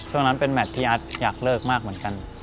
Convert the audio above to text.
ช่วงนั้นเป็นแมทที่อาร์ตอยากเลิกมากเหมือนกัน